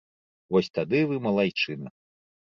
Вось тады вы малайчына.